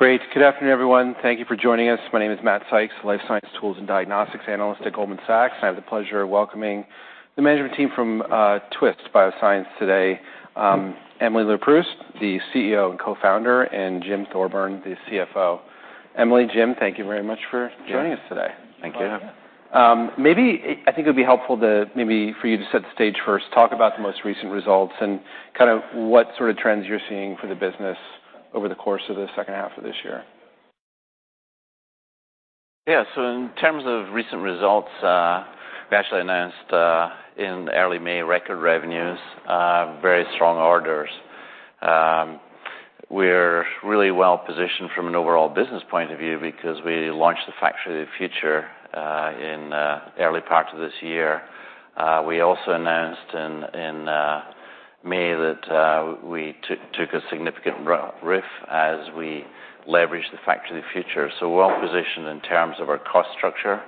Great. Good afternoon, everyone. Thank you for joining us. My name is Matt Sykes, Life Science Tools and Diagnostics analyst at Goldman Sachs. I have the pleasure of welcoming the management team from Twist Bioscience today. Emily Leproust, the CEO and co-founder, and Jim Thorburn, the CFO. Emily, Jim, thank you very much for joining us today. Thank you. Yeah. Maybe, I think it would be helpful to maybe for you to set the stage first, talk about the most recent results and kind of what sort of trends you're seeing for the business over the course of the second half of this year. Yeah. In terms of recent results, we actually announced in early May, record revenues, very strong orders. We're really well positioned from an overall business point of view because we launched the Factory of the Future in early part of this year. We also announced in May that we took a significant RIF as we leveraged the Factory of the Future. We're well positioned in terms of our cost structure,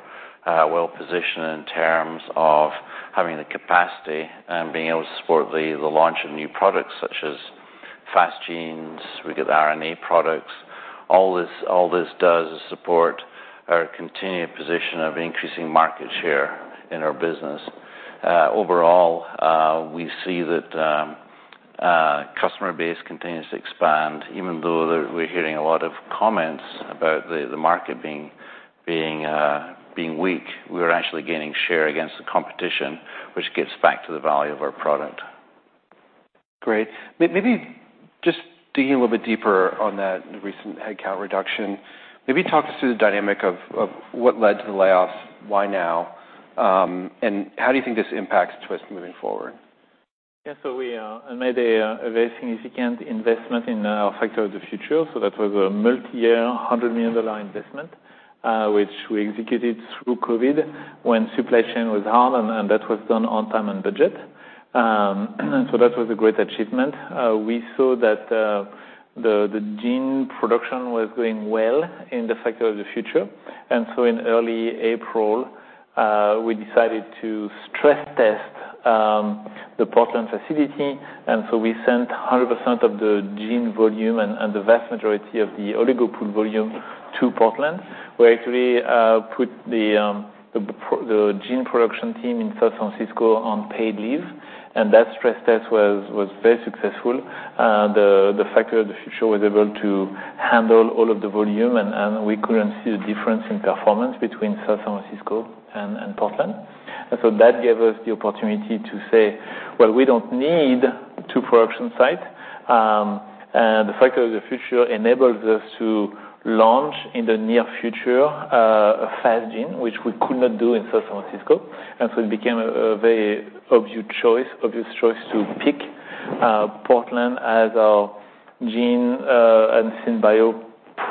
well positioned in terms of having the capacity and being able to support the launch of new products such as Fast Gene, we get the RNA products. All this does is support our continued position of increasing market share in our business. Overall, we see that customer base continues to expand. Even though we're hearing a lot of comments about the market being weak, we are actually gaining share against the competition, which gets back to the value of our product. Great. Maybe just digging a little bit deeper on that recent headcount reduction, maybe talk us through the dynamic of what led to the layoffs, why now, how do you think this impacts Twist moving forward? We made a very significant investment in our Factory of the Future. That was a multi-year, $100 million investment, which we executed through COVID when supply chain was hard, and that was done on time and budget. That was a great achievement. We saw that the gene production was going well in the Factory of the Future. In early April, we decided to stress test the Portland facility. We sent 100% of the gene volume and the vast majority of the Oligo Pools volume to Portland, where actually put the gene production team in San Francisco on paid leave. That stress test was very successful. The Factory of the Future was able to handle all of the volume, and we couldn't see a difference in performance between San Francisco and Portland. That gave us the opportunity to say, "Well, we don't need two production sites." The Factory of the Future enables us to launch in the near future a Fast Gene, which we could not do in San Francisco. It became a very obvious choice to pick Portland as our gene and SynBio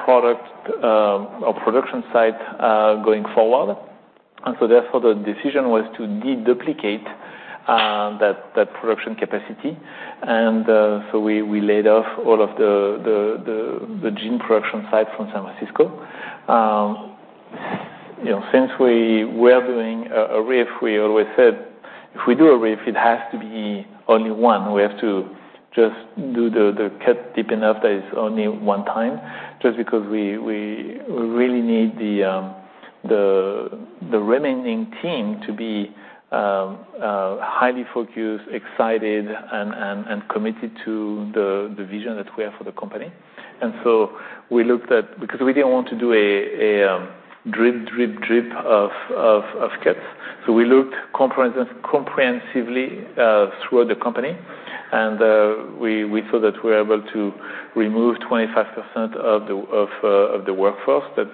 product or production site going forward. Therefore, the decision was to de-duplicate that production capacity. So we laid off all of the gene production site from San Francisco. You know, since we were doing a RIF, we always said, "If we do a RIF, it has to be only one. We have to just do the cut deep enough that it's only one time," just because we really need the remaining team to be highly focused, excited, and committed to the vision that we have for the company. We looked at... Because we didn't want to do a drip of cuts. We looked comprehensively throughout the company, and we saw that we were able to remove 25% of the workforce, that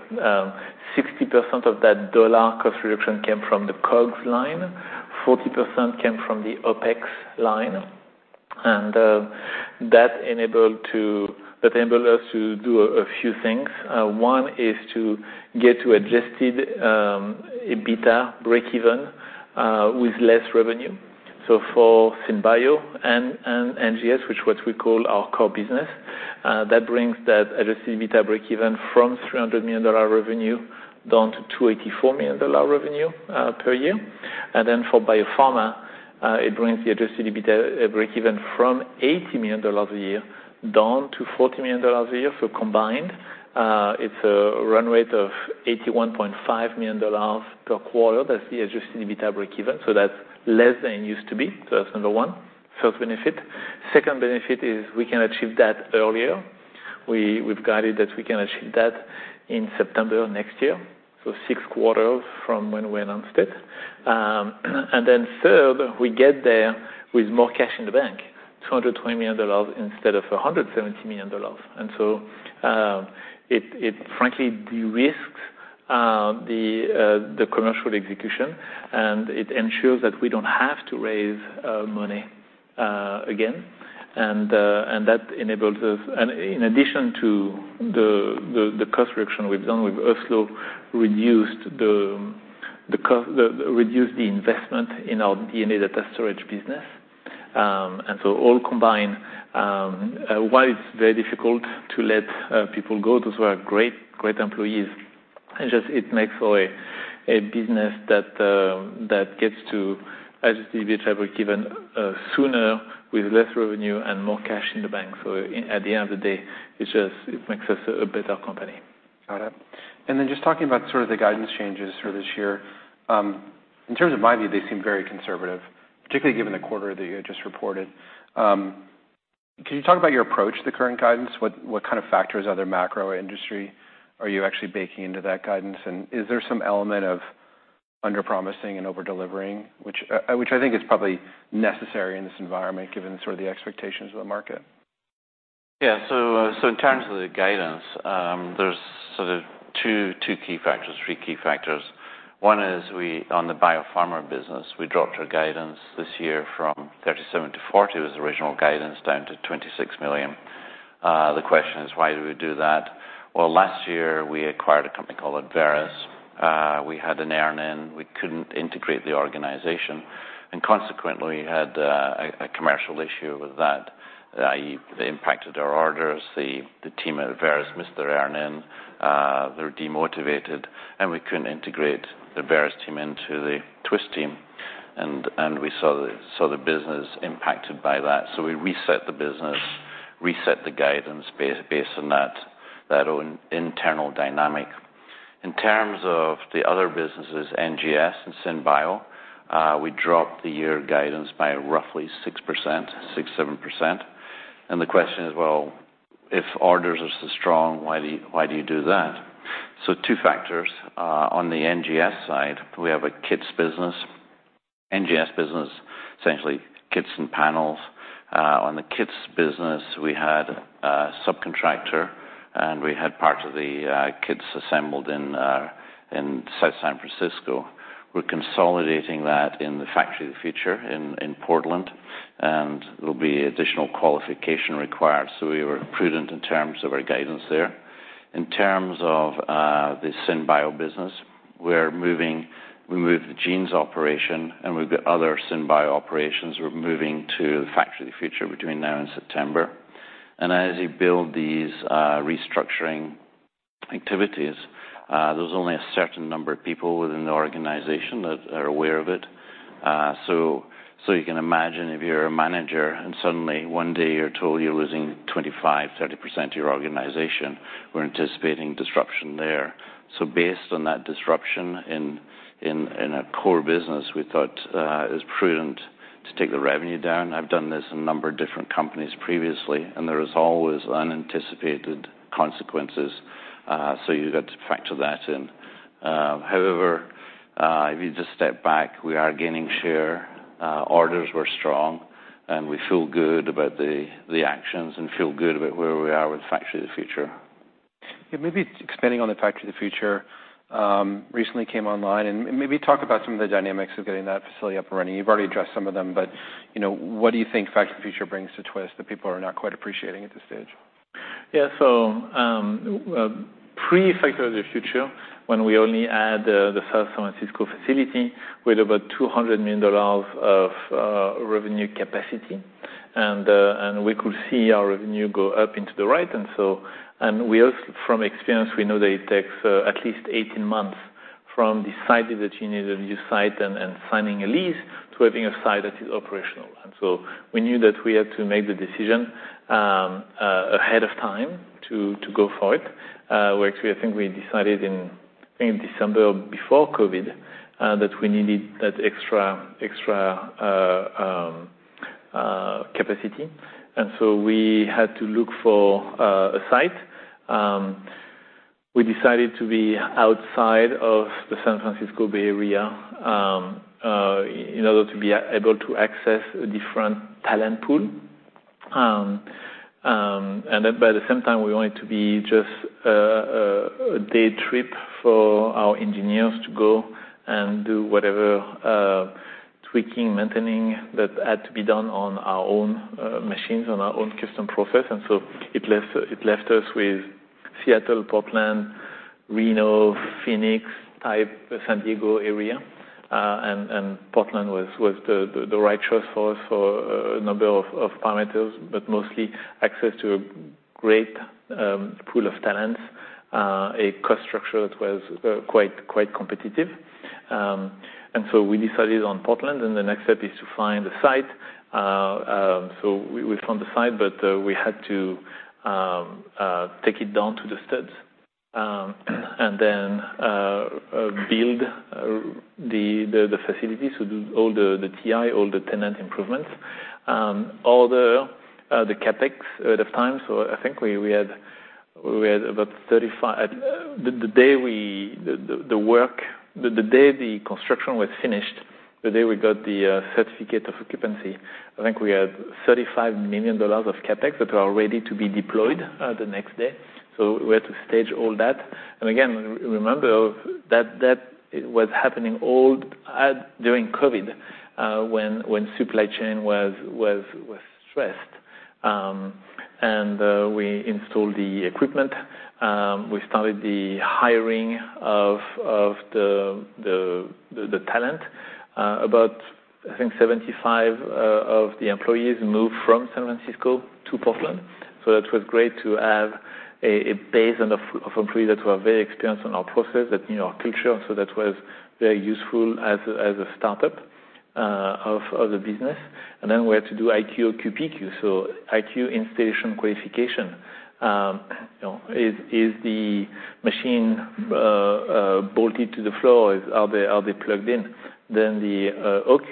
60% of that dollar cost reduction came from the COGS line, 40% came from the OpEx line. That enabled us to do a few things. One is to get to Adjusted EBITDA breakeven with less revenue. For SynBio and NGS, which what we call our core business, that brings that Adjusted EBITDA breakeven from $300 million revenue down to $284 million revenue per year. For biopharma, it brings the Adjusted EBITDA breakeven from $80 million a year down to $40 million a year. Combined, it's a run rate of $81.5 million per quarter. That's the Adjusted EBITDA breakeven, so that's less than it used to be. That's number one, first benefit. Second benefit is we can achieve that earlier. We've guided that we can achieve that in September next year, so six quarters from when we announced it. Then third, we get there with more cash in the bank, $220 million instead of $170 million. So, it frankly, de-risks the commercial execution, and it ensures that we don't have to raise money again. That enables us. In addition to the cost reduction we've done with Oslo, reduced the investment in our DNA data storage business. So all combined, while it's very difficult to let people go, those were great employees. It makes for a business that gets to Adjusted EBITDA even sooner with less revenue and more cash in the bank. At the end of the day, it just, it makes us a better company. Got it. Just talking about sort of the guidance changes for this year. In terms of my view, they seem very conservative, particularly given the quarter that you had just reported. Can you talk about your approach to the current guidance? What, what kind of factors, are there macro or industry, are you actually baking into that guidance? Is there some element of under-promising and over-delivering, which I think is probably necessary in this environment, given sort of the expectations of the market? Yeah. So, so in terms of the guidance, there's sort of two key factors, three key factors. One is we, on the biopharma business, we dropped our guidance this year from $37 million-$40 million, it was original guidance, down to $26 million. The question is, why do we do that? Well, last year, we acquired a company called Abveris. We had an earn-in. We couldn't integrate the organization. Consequently, we had a commercial issue with that, i.e., they impacted our orders. The team at Abveris missed their earn-in, they were demotivated. We couldn't integrate the Abveris team into the Twist team. We saw the business impacted by that. We reset the business, reset the guidance based on that own internal dynamic. In terms of the other businesses, NGS and SynBio, we dropped the year guidance by roughly 6%-7%. The question is, well, if orders are so strong, why do you do that? Two factors. On the NGS side, we have a kits business. NGS business, essentially, kits and panels. On the kits business, we had a subcontractor, and we had parts of the kits assembled in San Francisco. We're consolidating that in the Factory of the Future in Portland, and there'll be additional qualification required. We were prudent in terms of our guidance there. In terms of the SynBio business, we moved the genes operation, and we've got other SynBio operations, we're moving to the Factory of the Future between now and September. As you build these restructuring activities, there's only a certain number of people within the organization that are aware of it. You can imagine if you're a manager, and suddenly one day you're told you're losing 25%, 30% of your organization, we're anticipating disruption there. Based on that disruption in a core business, we thought it was prudent to take the revenue down. I've done this in a number of different companies previously, and there is always unanticipated consequences, so you've got to factor that in. However, if you just step back, we are gaining share, orders were strong, and we feel good about the actions and feel good about where we are with Factory of the Future. Yeah, maybe expanding on the Factory of the Future, recently came online, and maybe talk about some of the dynamics of getting that facility up and running. You've already addressed some of them, but, you know, what do you think Factory of the Future brings to Twist that people are not quite appreciating at this stage? Yeah. Pre-Factory of the Future, when we only had the San Francisco facility with over $200 million of revenue capacity, and we could see our revenue go up into the right. We also, from experience, we know that it takes at least 18 months from deciding that you need a new site and signing a lease to having a site that is operational. We knew that we had to make the decision ahead of time to go for it. Actually, I think we decided in, I think December before COVID, that we needed that extra capacity. We had to look for a site. We decided to be outside of the San Francisco Bay Area in order to be able to access a different talent pool. By the same time, we wanted to be just a day trip for our engineers to go and do whatever tweaking, maintaining that had to be done on our own machines, on our own custom process. It left us with Seattle, Portland, Reno, Phoenix, San Diego area. Portland was the right choice for us for a number of parameters, but mostly access to a great pool of talents, a cost structure that was quite competitive. We decided on Portland, and the next step is to find the site. We found the site, but we had to take it down to the studs, and then build the facility. Do all the TI, all the tenant improvements, all the CapEx at the time. The day the construction was finished, the day we got the certificate of occupancy, I think we had $35 million of CapEx that were ready to be deployed the next day. We had to stage all that. Again, remember that that was happening all during COVID, when supply chain was stressed. We installed the equipment, we started the hiring of the talent. About, I think 75 of the employees moved from San Francisco to Portland. That was great to have a base of employees that were very experienced on our process, that knew our culture. That was very useful as a startup of the business. We had to do IQ, OQ, PQ. IQ, Installation Qualification. You know, is the machine bolted to the floor? Are they plugged in? The OQ,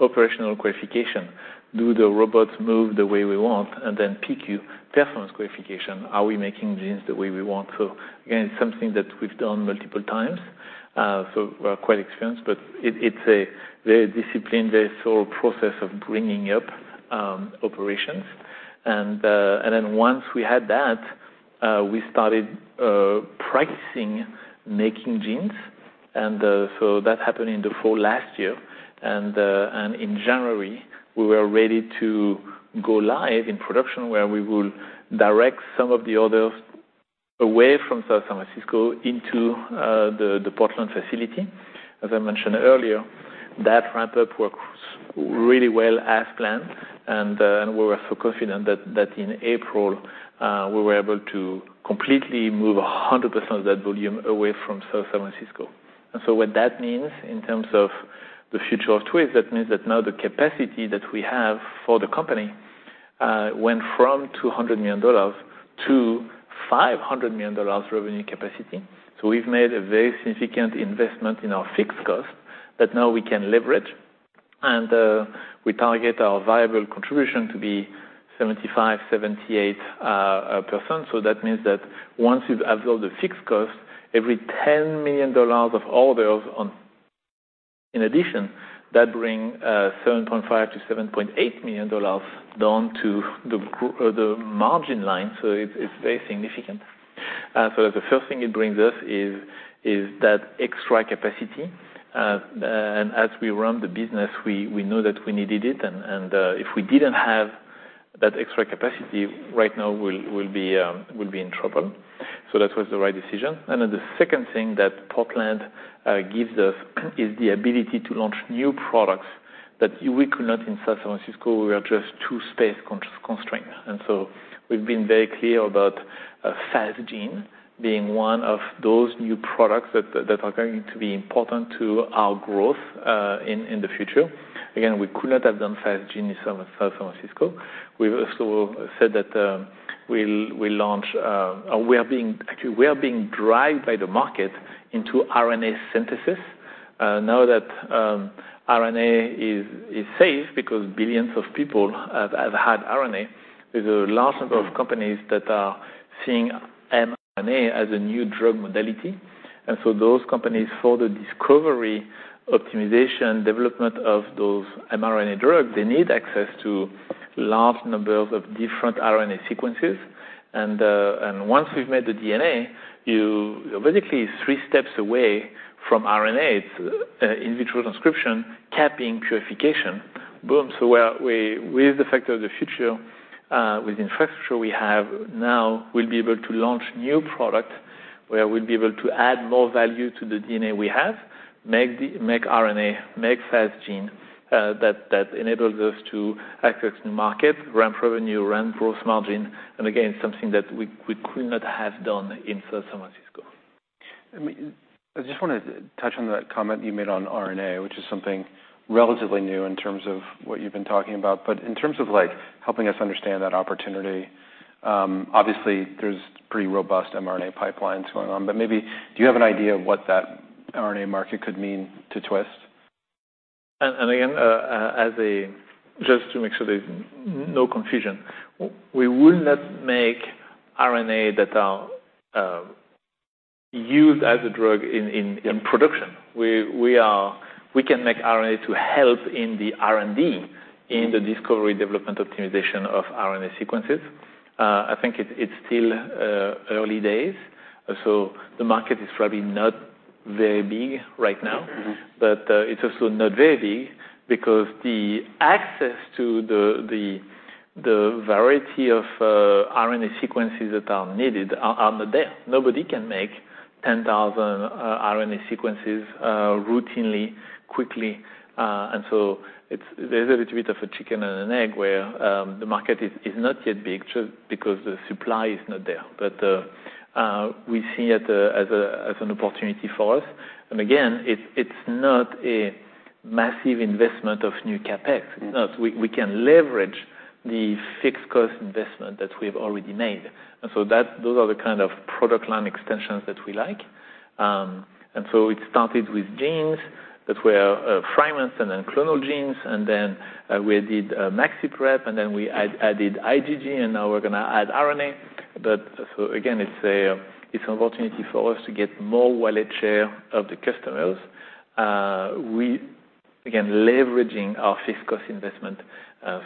Operational Qualification. Do the robots move the way we want? PQ, Performance Qualification. Are we making genes the way we want to? Again, it's something that we've done multiple times, so we're quite experienced, but it's a very disciplined, very thorough process of bringing up operations. Then once we had that, we started practicing making genes, so that happened in the fall last year. In January, we were ready to go live in production, where we will direct some of the orders away from San Francisco into the Portland facility. As I mentioned earlier, that ramp-up worked really well as planned, and we were so confident that in April, we were able to completely move 100% of that volume away from San Francisco. What that means in terms of the future of Twist, that means that now the capacity that we have for the company went from $200 million to $500 million revenue capacity. We've made a very significant investment in our fixed cost that now we can leverage, and we target our variable contribution to be 75%-78%. That means that once you've absorbed the fixed cost, every $10 million of orders on... in addition, that bring $7.5 million-$7.8 million down to the margin line, so it's very significant. The first thing it brings us is that extra capacity. And as we run the business, we know that we needed it, and if we didn't have that extra capacity right now, we'll be in trouble. That was the right decision. The second thing that Portland gives us is the ability to launch new products that we could not in San Francisco. We are just too space constrained. We've been very clear about Fast Gene being one of those new products that are going to be important to our growth in the future. Again, we could not have done Fast Genes in San Francisco. We've also said that we launch actually, we are being driven by the market into RNA synthesis. Now that RNA is safe because billions of people have had RNA, there's a large number of companies that are seeing mRNA as a new drug modality. Those companies, for the discovery, optimization, development of those mRNA drugs, they need access to large numbers of different RNA sequences. Once we've made the DNA, you're basically three steps away from RNA. It's in vitro transcription, capping, purification, boom! With the Factory of the Future, with infrastructure we have now, we'll be able to launch new product, where we'll be able to add more value to the DNA we have, make RNA, make Fast Gene, that enables us to access new market, ramp revenue, ramp gross margin, and again, something that we could not have done in San Francisco. I mean, I just want to touch on that comment you made on RNA, which is something relatively new in terms of what you've been talking about. In terms of, like, helping us understand that opportunity, obviously, there's pretty robust mRNA pipelines going on, but maybe do you have an idea of what that RNA market could mean to Twist? Again, just to make sure there's no confusion, we will not make RNA that are used as a drug in production. We can make RNA to help in the R&D, in the discovery, development, optimization of RNA sequences. I think it's still early days, the market is probably not very big right now. Mm-hmm. It's also not very big because the access to the variety of RNA sequences that are needed are not there. Nobody can make 10,000 RNA sequences routinely, quickly. There's a little bit of a chicken and an egg, where the market is not yet big just because the supply is not there. We see it as an opportunity for us. Again, it's not a massive investment of new CapEx. Mm. We can leverage the fixed cost investment that we've already made, and so those are the kind of product line extensions that we like. It started with genes that were fragments and then clonal genes, then we did maxiprep, then we added IgG, and now we're gonna add RNA. Again, it's an opportunity for us to get more wallet share of the customers. Again, leveraging our fixed cost investment,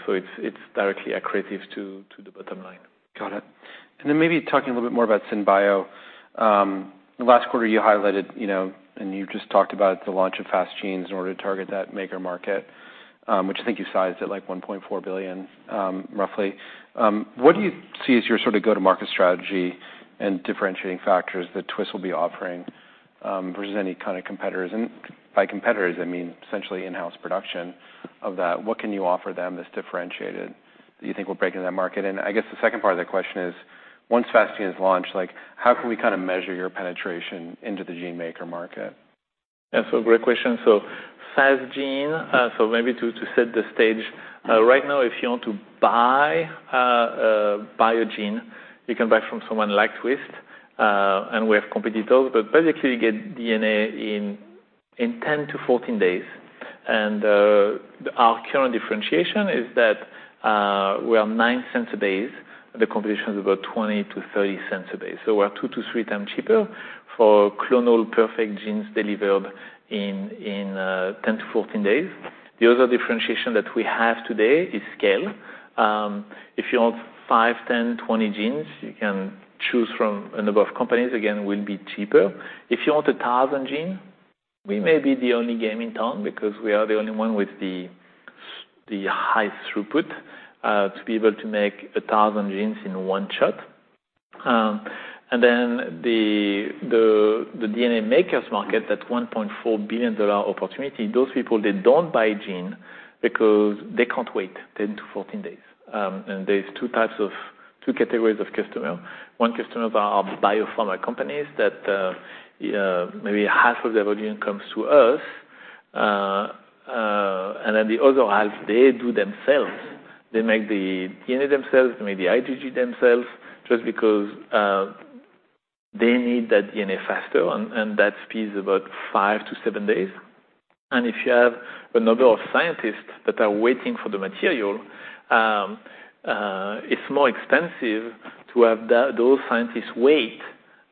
so it's directly accretive to the bottom line. Got it. Maybe talking a little bit more about SynBio. Last quarter, you highlighted, you know, and you just talked about the launch of Fast Gene in order to target that maker market. Which I think you sized at like $1.4 billion, roughly. What do you see as your sort of go-to-market strategy and differentiating factors that Twist will be offering, versus any kind of competitors? By competitors, I mean essentially in-house production of that. What can you offer them that's differentiated that you think will break into that market? I guess the second part of that question is, once Fast Gene is launched, like, how can we kind of measure your penetration into the gene maker market? Yeah, great question. Fast Gene, maybe to set the stage, right now, if you want to buy a gene, you can buy from someone like Twist Bioscience, and we have competitors, but basically you get DNA in 10 to 14 days. Our current differentiation is that we are $0.09 a base, the competition is about $0.20-$0.30 a base. We're two to three times cheaper for clonal perfect genes delivered in 10 to 14 days. The other differentiation that we have today is scale. If you want five, 10, 20 genes, you can choose from a number of companies, again, we'll be cheaper. If you want 1,000 gene, we may be the only game in town, because we are the only one with the high throughput to be able to make 1,000 genes in one shot. The DNA makers market, that $1.4 billion opportunity, those people, they don't buy gene because they can't wait 10-14 days. There's two categories of customer. One customers are biopharma companies that maybe half of their volume comes to us. The other half, they do themselves. They make the DNA themselves, they make the ITG themselves, just because they need that DNA faster, and that speed is about five to seven days. If you have a number of scientists that are waiting for the material, it's more expensive to have those scientists wait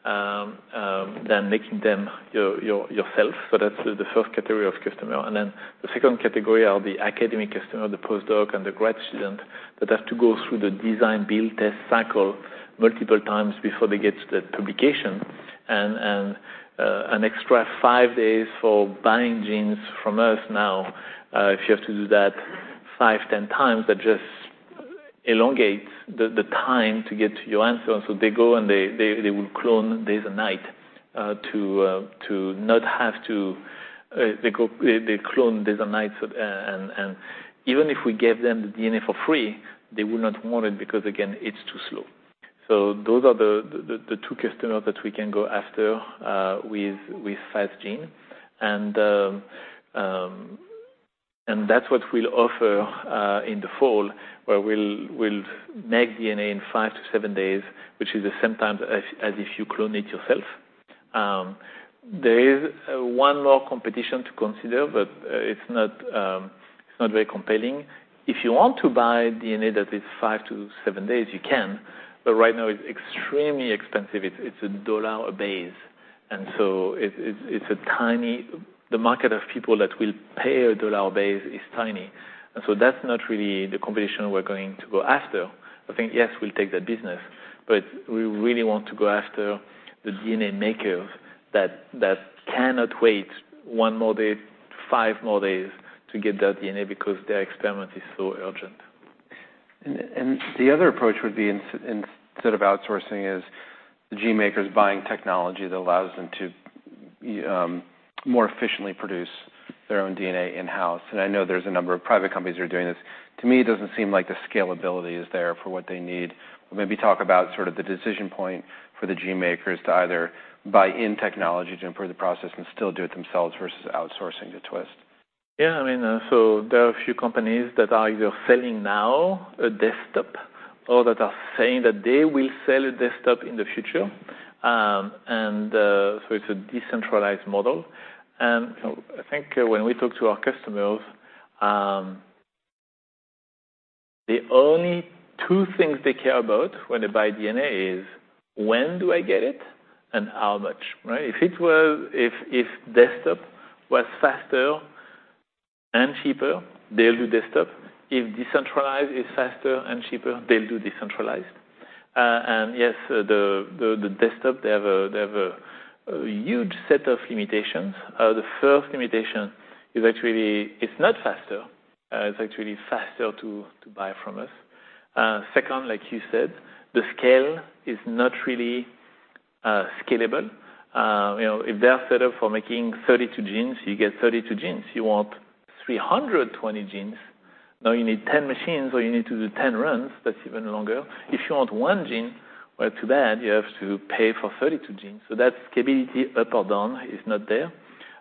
than making them your, yourself. That's the first category of customer. The second category are the academic customer, the postdoc, and the grad student, that have to go through the design, build, test, cycle multiple times before they get to the publication. An extra five days for buying genes from us now, if you have to do that five, 10 times, that just elongates the time to get to your answer. They go and they will clone day and night to not have to. They clone days and nights. Even if we gave them the DNA for free, they would not want it, because again, it's too slow. Those are the two customers that we can go after with Fast Gene. That's what we'll offer in the fall, where we'll make DNA in five to seven days, which is the same time as if you clone it yourself. There is one more competition to consider, it's not very compelling. If you want to buy DNA that is five to seven days, you can, but right now it's extremely expensive. It's $1 a base. The market of people that will pay $1 a base is tiny, that's not really the competition we're going to go after. I think, yes, we'll take that business, but we really want to go after the DNA makers that cannot wait one more day, five more days to get their DNA because their experiment is so urgent. The other approach would be instead of outsourcing, is the gene makers buying technology that allows them to more efficiently produce their own DNA in-house. I know there's a number of private companies who are doing this. To me, it doesn't seem like the scalability is there for what they need. Maybe talk about sort of the decision point for the gene makers to either buy in technology to improve the process and still do it themselves, versus outsourcing to Twist? Yeah, I mean, there are a few companies that are either selling now a desktop or that are saying that they will sell a desktop in the future. It's a decentralized model. I think when we talk to our customers, the only two things they care about when they buy DNA is, when do I get it, and how much, right? If desktop was faster and cheaper, they'll do desktop. If decentralized is faster and cheaper, they'll do decentralized. Yes, the desktop, they have a huge set of limitations. The first limitation is actually, it's not faster. It's actually faster to buy from us. Second, like you said, the scale is not really scalable. You know, if they are set up for making 32 genes, you get 32 genes. You want 320 genes, now you need 10 machines, or you need to do 10 runs, that's even longer. If you want one gene, well, too bad, you have to pay for 32 genes. That scalability up or down is not there.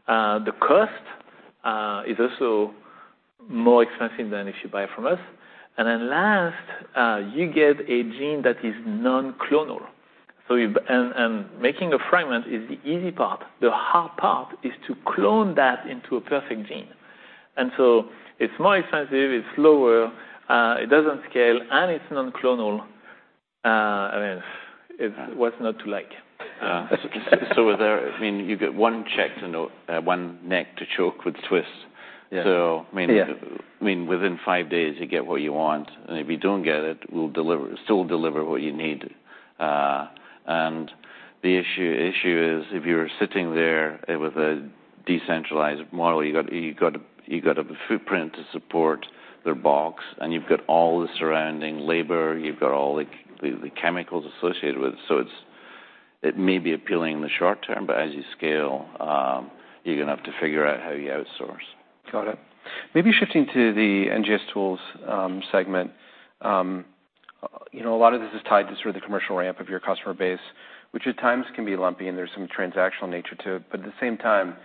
The cost is also more expensive than if you buy from us. Last, you get a gene that is non-clonal. Making a fragment is the easy part. The hard part is to clone that into a perfect gene. It's more expensive, it's slower, it doesn't scale, and it's non-clonal. I mean, what's not to like? There, I mean, you get one check to note, one neck to choke with Twist. Yeah. I mean. Yeah... I mean, within five days, you get what you want, and if you don't get it, we'll still deliver what you need. The issue is if you're sitting there with a decentralized model, you got a footprint to support their box, and you've got all the surrounding labor, you've got all the chemicals associated with it. It may be appealing in the short term, but as you scale, you're gonna have to figure out how you outsource. Got it. Maybe shifting to the NGS tools segment. You know, a lot of this is tied to sort of the commercial ramp of your customer base, which at times can be lumpy, and there's some transactional nature to it. At the same time,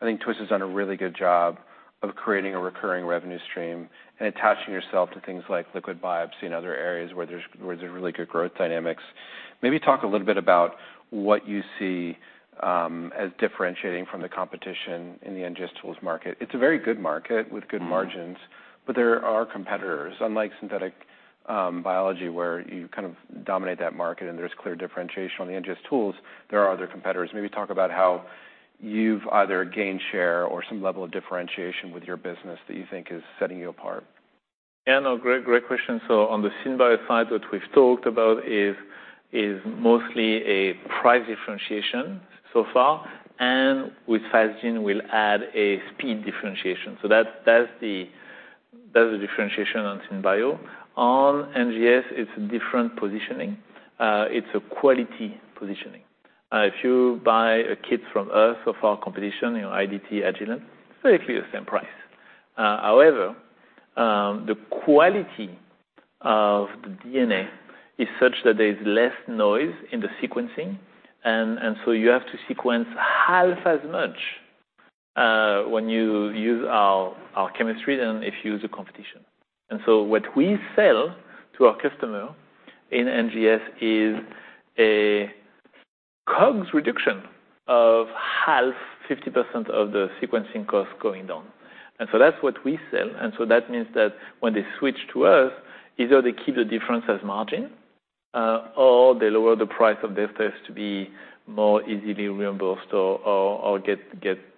I think Twist has done a really good job of creating a recurring revenue stream and attaching yourself to things like liquid biopsy and other areas where there's really good growth dynamics. Maybe talk a little bit about what you see as differentiating from the competition in the NGS tools market. It's a very good market with good margins. Mm-hmm. There are competitors, unlike synthetic biology, where you kind of dominate that market and there's clear differentiation. On the NGS tools, there are other competitors. Maybe talk about how you've either gained share or some level of differentiation with your business that you think is setting you apart. Yeah, no, great question. On the SynBio side, what we've talked about is mostly a price differentiation so far, and with Fast Gene, we'll add a speed differentiation. That's the differentiation on SynBio. On NGS, it's a different positioning. It's a quality positioning. If you buy a kit from us or from our competition, you know, IDT, Agilent, it's basically the same price. However, the quality of the DNA is such that there is less noise in the sequencing, and so you have to sequence half as much when you use our chemistry than if you use the competition. What we sell to our customer in NGS is a COGS reduction of half, 50% of the sequencing cost going down. That's what we sell. That means that when they switch to us, either they keep the difference as margin, or they lower the price of their tests to be more easily reimbursed or get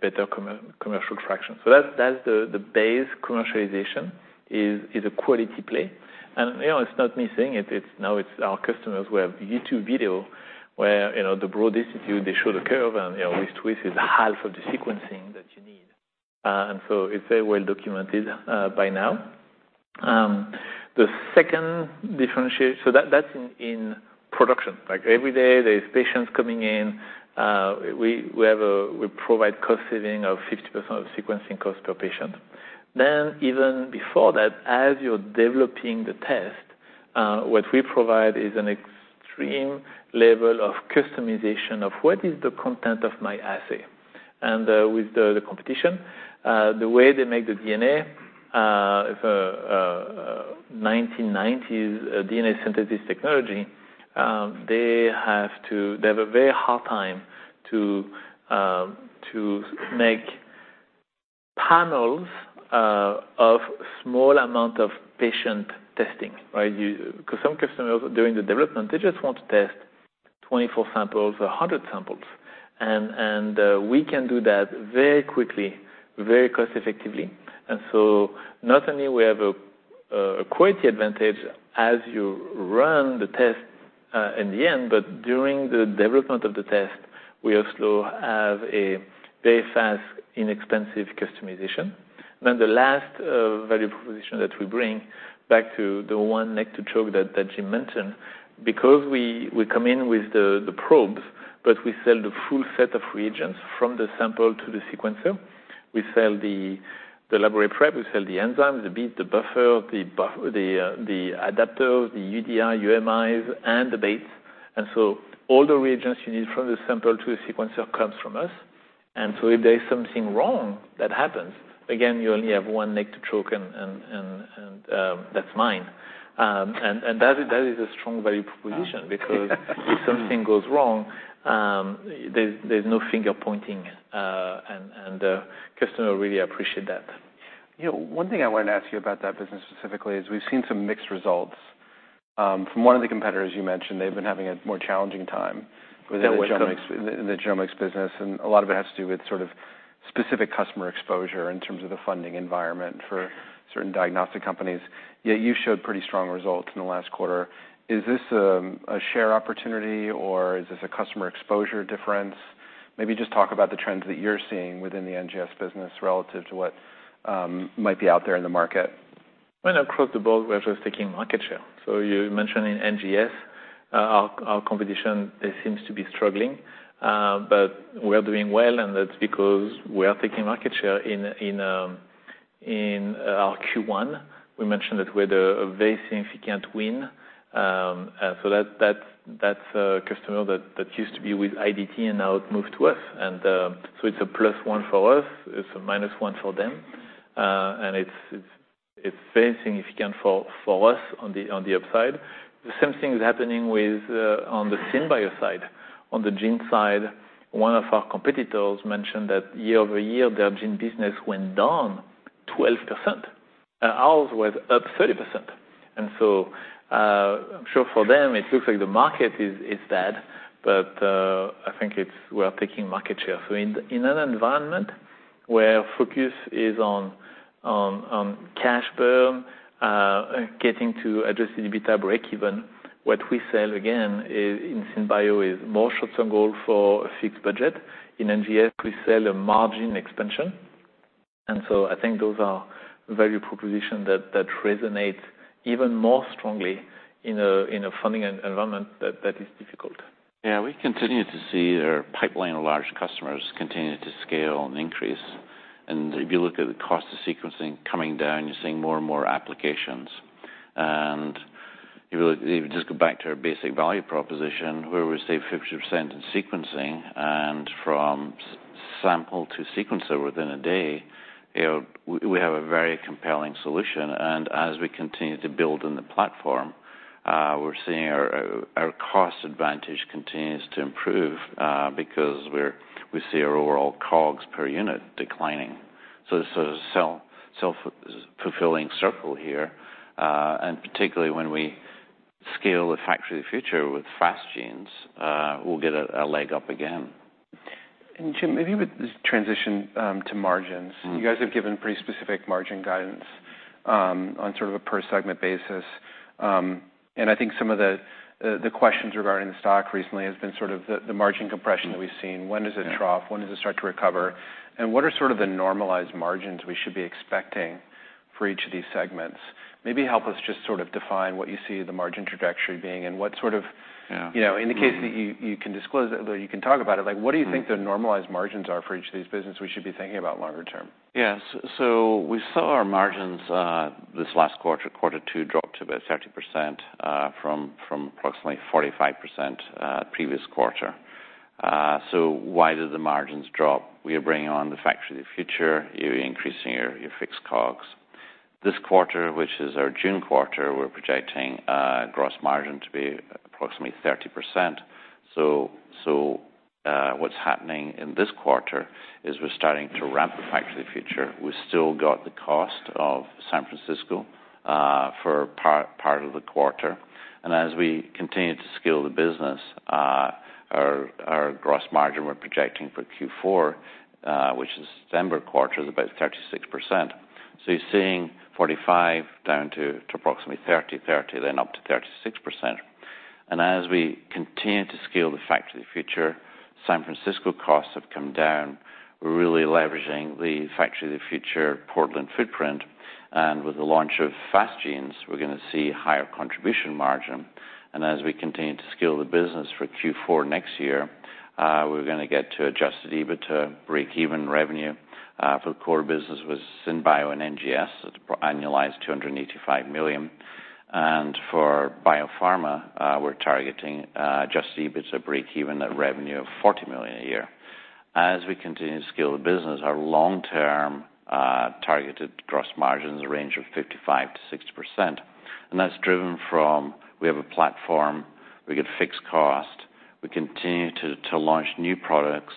better commercial traction. That's the base commercialization is a quality play. You know, it's not me saying it, now it's our customers who have YouTube video where, you know, the Broad Institute, they show the curve and, you know, with Twist is half of the sequencing that you need. It's very well documented by now. The second, that's in production. Like, every day, there's patients coming in, we provide cost saving of 50% of sequencing cost per patient. Even before that, as you're developing the test, what we provide is an extreme level of customization of what is the content of my assay. With the competition, the way they make the DNA is 1990s DNA synthesis technology, they have a very hard time to make panels of small amount of patient testing, right? 'Cause some customers, during the development, they just want to test 24 samples or 100 samples, and we can do that very quickly, very cost effectively. Not only we have a quality advantage as you run the test in the end, but during the development of the test, we also have a very fast, inexpensive customization. The last value proposition that we bring back to the one neck to choke that Jim mentioned, because we come in with the probes, but we sell the full set of reagents from the sample to the sequencer. We sell the laboratory prep, we sell the enzymes, the beads, the buffer, the adapters, the UDI, UMIs, and the baits. All the reagents you need from the sample to the sequencer comes from us. If there's something wrong that happens, again, you only have one neck to choke, and that's mine. That is a strong value proposition because if something goes wrong, there's no finger pointing, customer really appreciate that. You know, one thing I wanted to ask you about that business specifically is we've seen some mixed results from one of the competitors you mentioned. They've been having a more challenging time with the genomics, the genomics business, and a lot of it has to do with sort of specific customer exposure in terms of the funding environment for certain diagnostic companies. Yet you showed pretty strong results in the last quarter. Is this a share opportunity, or is this a customer exposure difference? Maybe just talk about the trends that you're seeing within the NGS business relative to what might be out there in the market. Well, across the board, we're just taking market share. You mentioned in NGS, our competition, they seems to be struggling. We are doing well, and that's because we are taking market share in our Q1. We mentioned that we had a very significant win. That's a customer that used to be with IDT and now it moved to us. It's a plus one for us, it's a minus one for them. It's very significant for us on the upside. The same thing is happening with on the SynBio side. On the gene side, one of our competitors mentioned that year-over-year, their gene business went down 12%. Ours was up 30%. I'm sure for them, it looks like the market is dead, but, I think it's we are taking market share. In, in an environment where focus is on cash burn, getting to Adjusted EBITDA breakeven, what we sell, again, is in SynBio is more shots on goal for a fixed budget. In NGS, we sell a margin expansion. I think those are value proposition that resonate even more strongly in a funding environment that is difficult. We continue to see our pipeline of large customers continue to scale and increase. If you look at the cost of sequencing coming down, you're seeing more and more applications. If you just go back to our basic value proposition, where we save 50% in sequencing, and from sample to sequencer within a day, you know, we have a very compelling solution. As we continue to build on the platform, we're seeing our cost advantage continues to improve because we see our overall COGS per unit declining. This is a self-fulfilling circle here. Particularly when we scale the Factory of the Future with Fast Genes, we'll get a leg up again. Jim, maybe with this transition, to margins. Mm. You guys have given pretty specific margin guidance, on sort of a per segment basis. I think some of the questions regarding the stock recently has been sort of the margin compression that we've seen. Yeah. When does it trough? When does it start to recover? What are sort of the normalized margins we should be expecting for each of these segments? Maybe help us just sort of define what you see the margin trajectory being, and what sort of-. Yeah. You know, in the case that you can disclose, that you can talk about it, like, what do you think the normalized margins are for each of these business we should be thinking about longer term? Yes. We saw our margins, this last quarter two, drop to about 30%, from approximately 45%, previous quarter. Why did the margins drop? We are bringing on the Factory of the Future, you're increasing your fixed COGS. This quarter, which is our June quarter, we're projecting, gross margin to be approximately 30%. What's happening in this quarter is we're starting to ramp the Factory of the Future. We've still got the cost of San Francisco, for part of the quarter. As we continue to scale the business, our gross margin, we're projecting for Q4, which is December quarter, is about 36%. You're seeing 45% down to approximately 30%, 30% then up to 36%. As we continue to scale the Factory of the Future, San Francisco costs have come down. We're really leveraging the Factory of the Future, Portland footprint, and with the launch of Fast Genes, we're going to see higher contribution margin. As we continue to scale the business for Q4 next year, we're going to get to Adjusted EBITDA, break even revenue, for the core business with SynBio and NGS, at annualized $285 million. For biopharma, we're targeting Adjusted EBITDA break even at revenue of $40 million a year. As we continue to scale the business, our long-term targeted gross margins range of 55%-60%, and that's driven from, we have a platform, we get fixed cost, we continue to launch new products,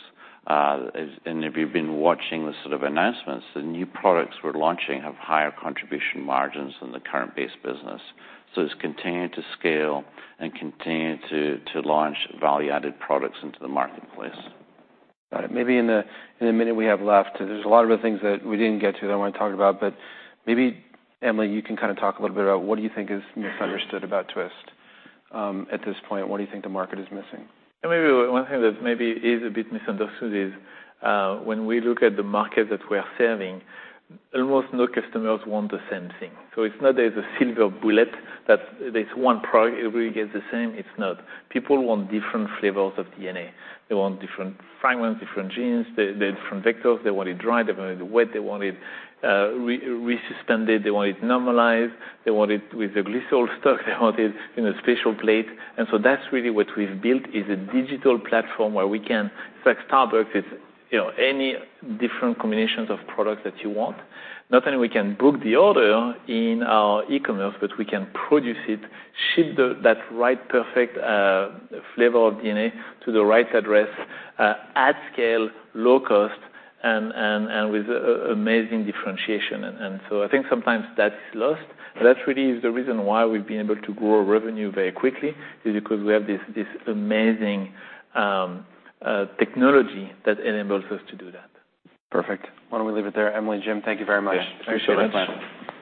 and if you've been watching the sort of announcements, the new products we're launching have higher contribution margins than the current base business. It's continuing to scale and continuing to launch value-added products into the marketplace. Got it. Maybe in the, in the minute we have left, there's a lot of other things that we didn't get to that I want to talk about, but maybe, Emily, you can kind of talk a little bit about what do you think is misunderstood about Twist at this point? What do you think the market is missing? Maybe one thing that maybe is a bit misunderstood is, when we look at the market that we are serving, almost no customers want the same thing. It's not there's a single bullet, that there's one product, everybody gets the same. It's not. People want different flavors of DNA. They want different fragments, different genes, different vectors. They want it dry, they want it wet, they want it re- suspended, they want it normalized, they want it with the glycerol stock, they want it in a special plate. That's really what we've built, is a digital platform where we can, it's like Starbucks with, you know, any different combinations of products that you want. Not only we can book the order in our e-commerce, but we can produce it, ship that right, perfect flavor of DNA to the right address at scale, low cost, and with amazing differentiation. I think sometimes that's lost, but that really is the reason why we've been able to grow revenue very quickly, is because we have this amazing technology that enables us to do that. Perfect. Why don't we leave it there? Emily, Jim, thank you very much. Yeah. Thank you so much. Thanks.